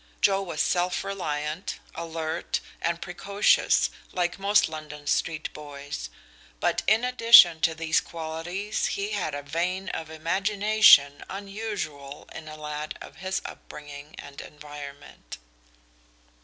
Joe was self reliant, alert, and precocious, like most London street boys, but in addition to these qualities he had a vein of imagination unusual in a lad of his upbringing and environment.